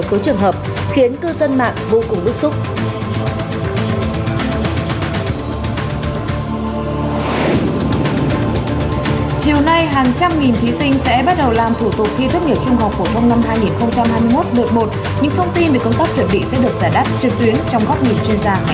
các thông tin về công tác chuẩn bị sẽ được giải đáp trực tuyến trong góc nhìn chuyên gia ngành ngành